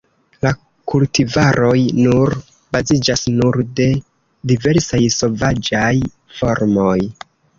La kultivaroj nur baziĝas nur de diversaj sovaĝaj formoj.